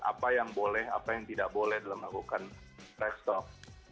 apa yang boleh apa yang tidak boleh dalam melakukan track stop